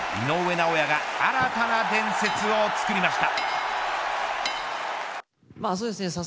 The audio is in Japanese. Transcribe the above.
尚弥が新たな伝説をつくりました。